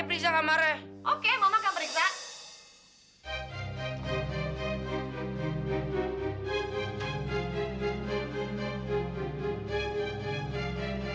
iya udah lama banget